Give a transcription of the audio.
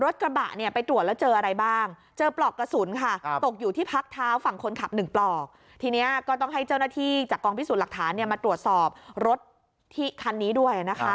ที่จากกองพิสูจน์หลักฐานมาตรวจสอบรถที่คันนี้ด้วยนะคะ